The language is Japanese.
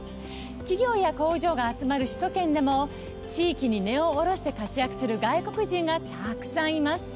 企業や工場が集まる首都圏でも地域に根を下ろして活躍する外国人がたくさんいます。